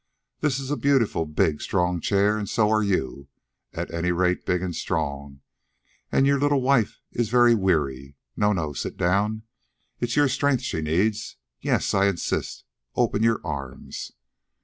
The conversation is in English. "That is a beautiful, big, strong chair, and so are you, at any rate big and strong, and your little wife is very weary no, no; sit down, it's your strength she needs. Yes, I insist. Open your arms."